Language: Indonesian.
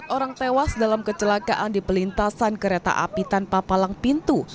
orang tewas dalam kecelakaan di pelintasan kereta api tanpa palang pintu